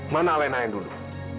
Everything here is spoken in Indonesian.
mana alena yang dulu